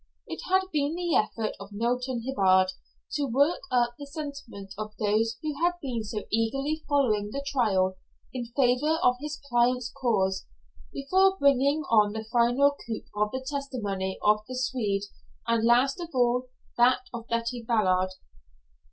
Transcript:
It had been the effort of Milton Hibbard to work up the sentiment of those who had been so eagerly following the trial, in favor of his client's cause, before bringing on the final coup of the testimony of the Swede, and, last of all, that of Betty Ballard.